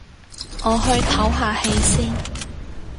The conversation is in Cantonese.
我去唞下氣先